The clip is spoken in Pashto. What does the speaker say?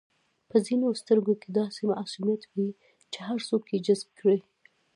په ځینو سترګو کې داسې معصومیت وي چې هر څوک یې جذب کړي.